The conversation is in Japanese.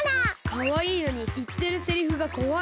かわいいのにいってるセリフがこわい。